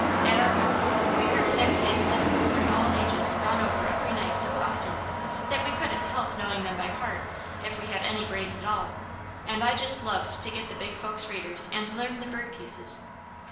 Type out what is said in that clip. At our house, we heard next day's lessons for all ages gone over every night so often, that we couldn't help knowing them by heart, if we had any brains at all, and I just loved to get the big folk's readers and learn the bird pieces.